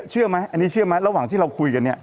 เชื่อไหมอันนี้เชื่อไหมระหว่างที่เราคุยกันเนี่ย